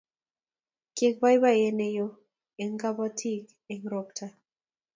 Kiek boiboiyet neyo eng' kabotik eng' ropta